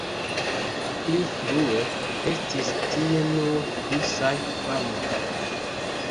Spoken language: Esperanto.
Pli frue estis tie nur disaj farmoj.